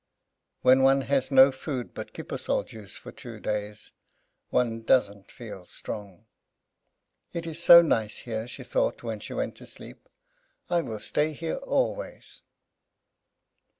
When one has had no food but kippersol juice for two days, one doesn't feel strong. "It is so nice here," she thought as she went to sleep, "I will stay here always."